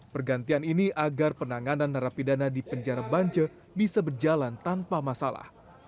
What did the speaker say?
pergantian ini agar penanganan narapidana di penjara banca bisa berjalan tanpa masalah